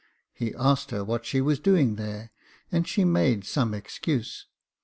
He asked her what she was doing there, and she made some excuse.